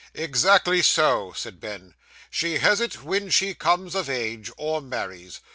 'Exactly so,' said Ben. 'She has it when she comes of age, or marries.